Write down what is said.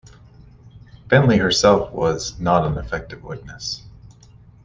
Bentley herself was not an effective witness.